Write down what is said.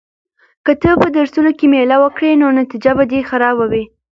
که ته په درسونو کې مېله وکړې نو نتیجه به دې خرابه وي.